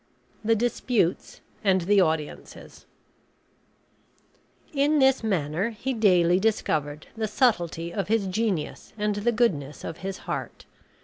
THE DISPUTES AND THE AUDIENCES In this manner he daily discovered the subtilty of his genius and the goodness of his heart.